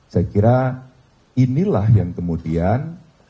saya kira inilah yang kemudian